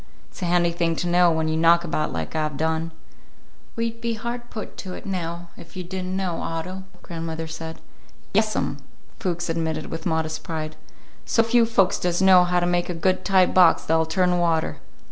It's a handy thing to know, when you knock about like I've done." "We'd be hard put to it now, if you did n't know, Otto," grandmother said. "Yes, 'm," Fuchs admitted with modest pride. "So few folks does know how to make a good tight box that'll turn water.